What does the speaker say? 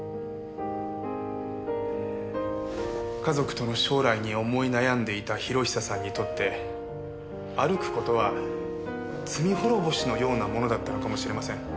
家族との将来に思い悩んでいた博久さんにとって歩く事は罪滅ぼしのようなものだったのかもしれません。